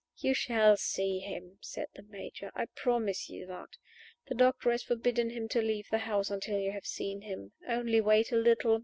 "You shall see him," said the Major. "I promise you that. The doctor has forbidden him to leave the house until you have seen him. Only wait a little!